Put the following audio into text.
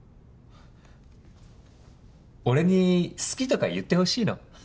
俺に「好き」とか言ってほしいの？